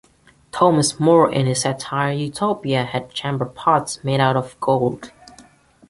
Thomas More in his satire "Utopia" had chamberpots made out of gold.